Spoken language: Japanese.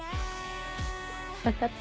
分かった。